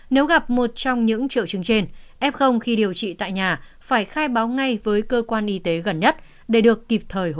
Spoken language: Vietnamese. nếu gặp một trong những triệu chứng trên f khi điều trị tại nhà phải khai báo ngay với cơ quan y tế gần nhất để được kịp thời hỗ trợ